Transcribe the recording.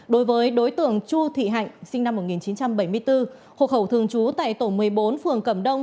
đối với đối tượng chu thị hạnh sinh năm một nghìn chín trăm bảy mươi bốn hộ khẩu thường trú tại tổ một mươi bốn phường cẩm đông